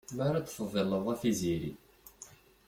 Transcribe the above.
Mi ara d-teḍilleḍ a tiziri.